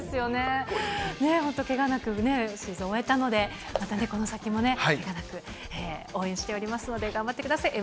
本当、けがなくシーズン終えたので、またね、この先も応援しておりますので、頑張ってください。